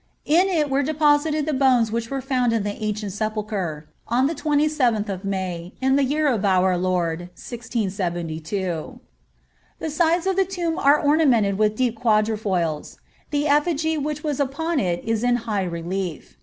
In it were deposited the bones which were found in the ancient sepulchre, on the 27th May, in the year of our Lord 1672.'* The sides of the tomb are ornamented with deep quatrefoils. The effigy which was upon it is in high relief.